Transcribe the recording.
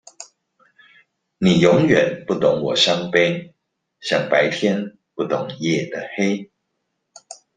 你永遠不懂我傷悲，像白天不懂夜的黑